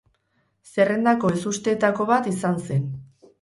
Zerrendako ezusteetako bat izan zen.